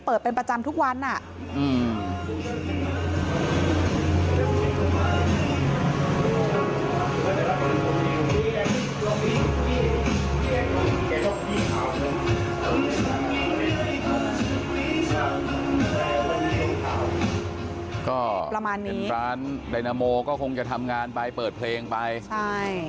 ก็เป็นร้านดายนาโมก็คงจะทำงานไปเปิดเพลงไป